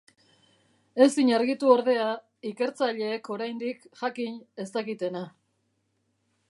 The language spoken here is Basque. Ezin argitu, ordea, ikertzaileek oraindik, jakin, ez dakitena.